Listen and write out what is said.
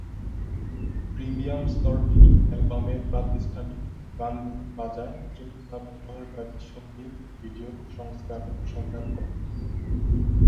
Premium স্তরটি অ্যালবামের প্রাতিষ্ঠানিক গানগুলি বাজায় যদি না ব্যবহারকারী সঙ্গীত ভিডিও সংস্করণ অনুসন্ধান করে।